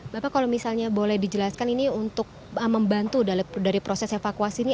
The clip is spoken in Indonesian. bapak kalau misalnya boleh dijelaskan ini untuk membantu dari proses evakuasi ini